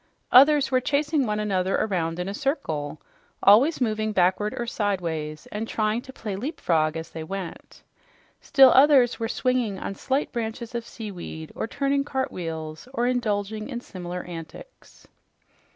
Others were chasing one another around in a circle, always moving backward or sidewise, and trying to play "leapfrog" as they went. Still others were swinging on slight branches of seaweed or turning cartwheels or indulging in similar antics.